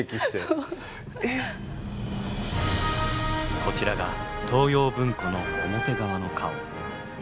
こちらが東洋文庫の表側の顔。